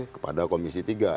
kepada komisi tiga